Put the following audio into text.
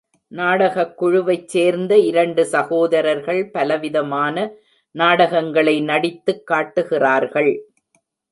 நாடகக் குழுவைச் சேர்ந்த இரண்டு சகோதரர்கள் பலவிதமான நாடகங்களை நடித்துக் காட்டுகிறார்கள்.